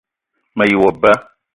Me ye wo ba